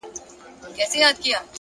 نیک عمل د وجدان باغ زرغونوي،